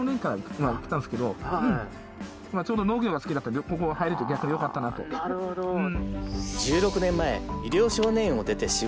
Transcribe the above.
ちょうど農業が好きだったんでここ入れて逆によかったなとなるほどね